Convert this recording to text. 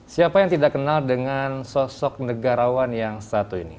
siapa yang tidak kenal dengan sosok negarawan yang satu ini